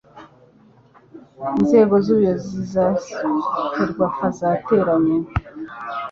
Inzego z Ubuyobozi za ferwafa zateranye